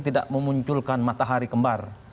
tidak memunculkan matahari kembar